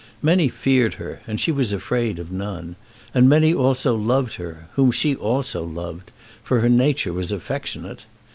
Many feared her and she was afraid of none, and many also loved her, whom she also loved, for her nature was affectionate.